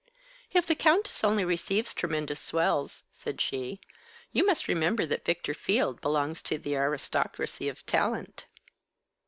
"If the Countess only receives tremendous swells," said she, "you must remember that Victor Field belongs to the Aristocracy of Talent."